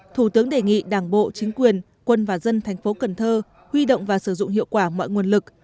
thủ tướng đề nghị đảng bộ chính quyền quân và dân thành phố cần thơ huy động và sử dụng hiệu quả mọi nguồn lực